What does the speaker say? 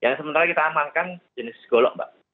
yang sementara kita amankan jenis golok mbak